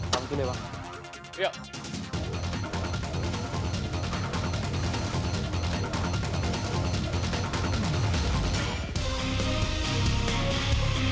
kamu tuh nebak